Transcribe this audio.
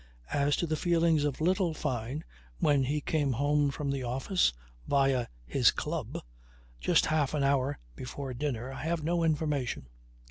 As to the feelings of little Fyne when he came home from the office, via his club, just half an hour before dinner, I have no information.